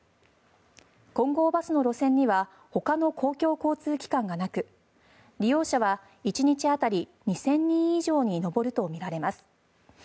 金剛バスの路線にはほかの公共交通機関がなく利用者は１日当たり２０００人以上に上るとみられます。